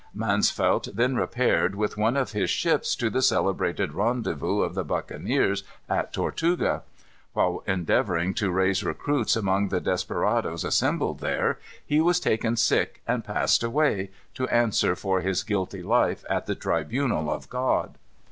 Mansvelt then repaired, with one of his ships, to the celebrated rendezvous of the buccaneers at Tortuga. While endeavoring to raise recruits among the desperadoes assembled there, he was taken sick, and passed away, to answer for his guilty life at the tribunal of God.